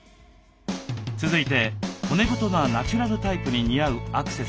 続いて骨太なナチュラルタイプに似合うアクセサリーです。